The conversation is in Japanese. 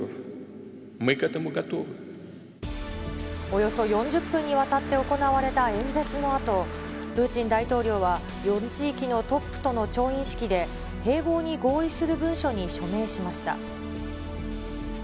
およそ４０分にわたって行われた演説のあと、プーチン大統領は、４地域のトップとの調印式で、併合に合意する文書に署名しました。